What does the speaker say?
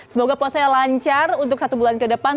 semoga puasanya lancar untuk satu bulan kedepan